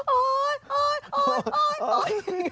โอ๊ย